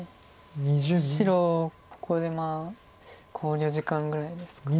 白ここで考慮時間ぐらいですか。